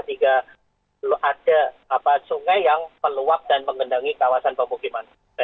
hingga ada apa sungai yang peluap dan mengendangi kawasan pemukiman